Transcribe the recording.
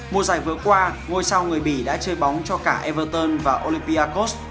mùa giải vừa qua ngôi sao người bỉ đã chơi bóng cho cả everton và olympiars